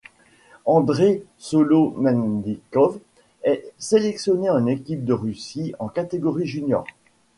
Andrey Solomennikov est sélectionné en équipe de Russie en catégorie juniors.